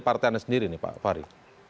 partai anda sendiri nih pak fahri